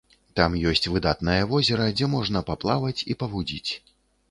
Там ёсць выдатнае возера, дзе можна паплаваць і павудзіць.